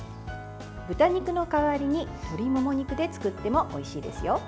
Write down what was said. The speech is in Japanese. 豚肉の代わりに鶏もも肉で作っても、おいしいですよ。